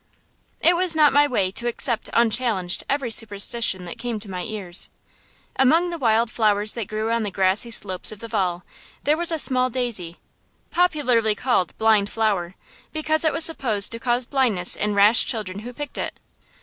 It was not my way to accept unchallenged every superstition that came to my ears. Among the wild flowers that grew on the grassy slopes of the Vall, there was a small daisy, popularly called "blind flower," because it was supposed to cause blindness in rash children who picked it.